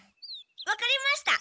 わかりました。